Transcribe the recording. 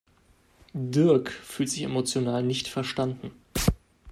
Dirk fühlt sich emotional nicht verstanden.